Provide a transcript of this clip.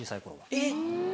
えっ！